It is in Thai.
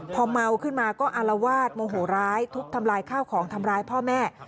พอเมาขึ้นมาก็อารวาสโมโหร้ายทุบทำลายข้าวของทำร้ายพ่อแม่